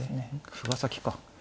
歩が先か。